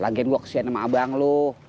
lagian gua kesian sama abang lo